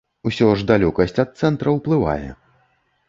Усё ж далёкасць ад цэнтра ўплывае.